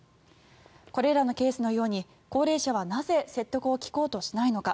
これらのケースのように高齢者はなぜ説得を聞こうとしないのか。